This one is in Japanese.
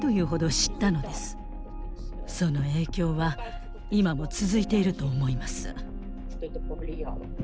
その影響は今も続いていると思います。